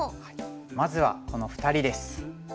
まずはこの２人です。